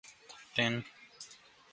Tn.